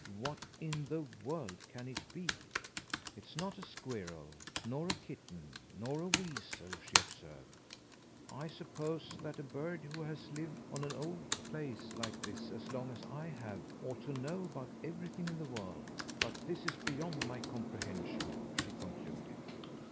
"What in the world can it be? It's not a squirrel, nor a kitten, nor a weasel," she observed. "I suppose that a bird who has lived on an old place like this as long as I have ought to know about everything in the world; but this is beyond my comprehension," she concluded.